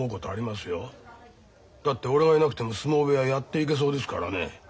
だって俺がいなくても相撲部屋やっていけそうですからね。